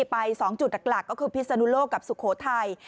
ไป๒จุดหลักก็คือพิศนุโลกกับสุโขทัย